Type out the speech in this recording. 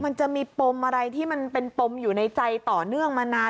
มันจะมีปมอะไรที่มันเป็นปมอยู่ในใจต่อเนื่องมานาน